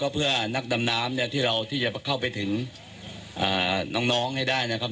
เพื่อนักดำน้ำเนี่ยที่เราที่จะเข้าไปถึงน้องให้ได้นะครับ